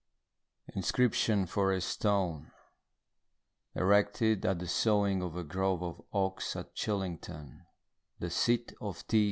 INSCRIPTION FOR A STONE ERECTED AT THE SOWING OF A GROVE OF OAKS AT CHILLINGTON, THE SEAT OF T.